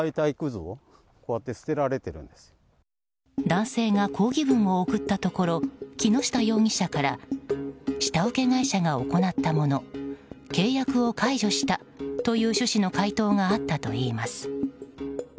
男性が抗議文を送ったところ木下容疑者から下請け会社が行ったもの契約を解除したという趣旨の回答があったといいます。